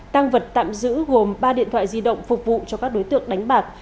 tăng vật tạm giữ gồm ba điện thoại di động phục vụ cho các đối tượng đánh bạc